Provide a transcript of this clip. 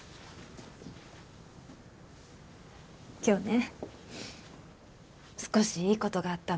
今日ね少しいい事があったの。